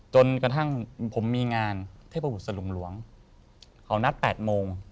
จนกระทั่งผมมีงานเทพบุตรสลุงหลวงเขานัด๘โมง